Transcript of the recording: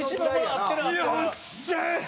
よっしゃ！